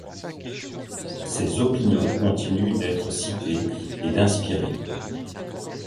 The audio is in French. Ses opinions continuent d'être citées et d'inspirer.